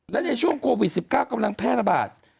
และในช่วงโควิด๑๙กำลังแพร่ระบาด